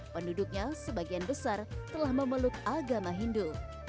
penduduknya sebagian besar telah memeluk agama hindu